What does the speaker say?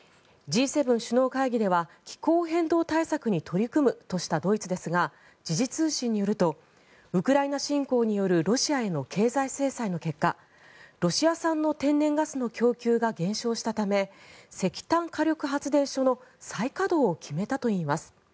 Ｇ７首脳会議では気候変動対策に取り組むとしたドイツですが時事通信によるとウクライナ侵攻によるロシアへの経済制裁の結果ロシア産の天然ガスの供給が減少したため石炭火力発電所の再稼働を決めたといいます。